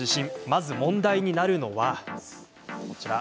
まず問題になるのは。